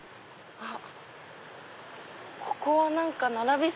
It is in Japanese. あっ！